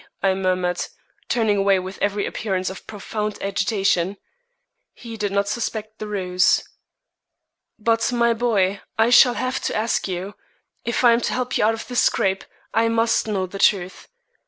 I murmured, turning away with every appearance of profound agitation. He did not suspect the ruse. "But, my boy, I shall have to ask you; if I am to help you out of this scrape, I must know the truth.